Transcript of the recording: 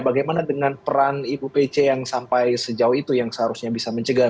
bagaimana dengan peran ibu pece yang sampai sejauh itu yang seharusnya bisa mencegah